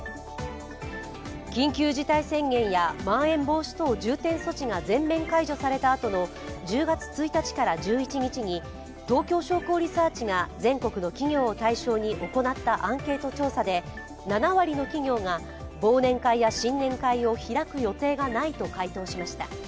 緊急事態宣言やまん延防止等重点措置が全面解除されたあとの１０月１日から１１日に東京商工リサーチが全国の企業を対象に行ったアンケート調査で７割の企業が忘年会や新年会を開く予定がないと回答しました。